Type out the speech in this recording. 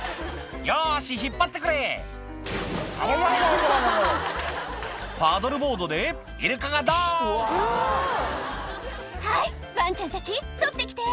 「よし引っ張ってくれ」「ゴボゴボゴボゴボ」パドルボードでイルカがドン「はいワンちゃんたち取って来て」